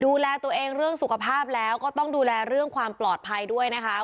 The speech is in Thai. ดูแลตัวเองเรื่องสุขภาพแล้วก็ต้องดูแลเรื่องความปลอดภัยด้วยนะคะ